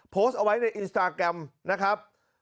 โพสต์เอาไว้ในอินสตาแกรมนะครับ